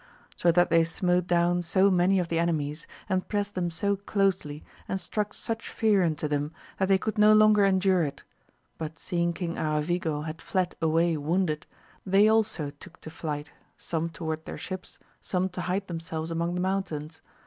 So that they smote down so many of 218 AMADIS OF GAUL the enemies, and pressed them so closely, and struck such fear into them, that they could no longer endure it ; but seeing King Aravigo had fled away wounded, they also took to flight, some toward their ships, some to hide themselves among the mountains.